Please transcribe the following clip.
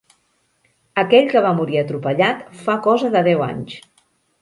Aquell que va morir atropellat fa cosa de deu anys.